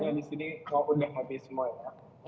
yang disini kau udah hapi semua ya